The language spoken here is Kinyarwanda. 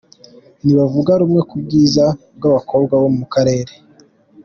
Ntibavuga rumwe ku bwiza bw’abakobwa bo mu Karere.